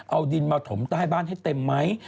เอาดินมาถมใต้บ้านให้เต็มไหม